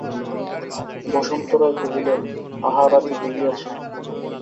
বসন্ত রায় কহিলেন, আহারাদি হইয়াছে?